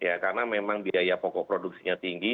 ya karena memang biaya pokok produksinya tinggi